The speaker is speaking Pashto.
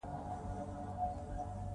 د تنور ډوډۍ خپل ځانګړی خوند لري.